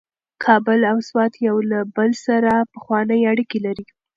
کابل او سوات یو له بل سره پخوانۍ اړیکې لري.